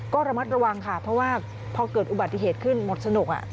ก็ระมัดระวังค่ะเพราะว่าพอเกิดอุบัติเหตุขึ้นหมดสนุก